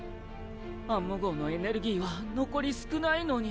アンモ号のエネルギーは残り少ないのに。